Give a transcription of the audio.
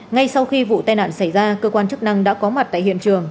ngay sau khi vụ tai nạn xảy ra cơ quan chức năng đã có mặt tại hiện trường